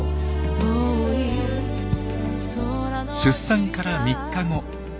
出産から３日後。